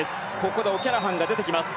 ここでオキャラハンが出てきた。